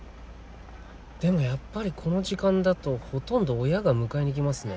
でもやっぱりこの時間だとほとんど親が迎えに来ますね。